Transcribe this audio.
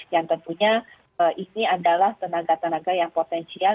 yang tentunya ini adalah tenaga tenaga yang potensial